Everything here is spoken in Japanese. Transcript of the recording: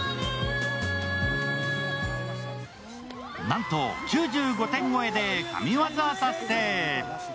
なんと９５点超えで神業達成。